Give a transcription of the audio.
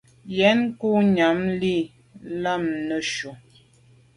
Yen ngub nyàm li lam neshu.